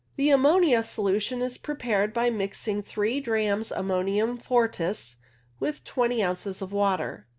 The ammonia solution is prepared by mixing 3 drams ammonia fortiss. with 20 ozs. of water.